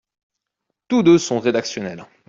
Tous deux sont rédactionnels.